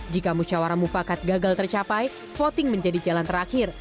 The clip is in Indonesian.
jika musyawarah mufakat gagal tercapai voting menjadi jalan terakhir